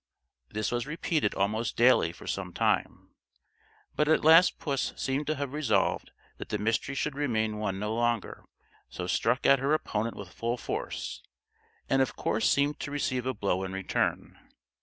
This was repeated almost daily for some time; but at last puss seemed to have resolved that the mystery should remain one no longer, so struck at her opponent with full force, and of course seemed to receive a blow in return.